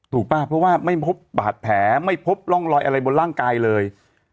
ป่ะเพราะว่าไม่พบบาดแผลไม่พบร่องรอยอะไรบนร่างกายเลย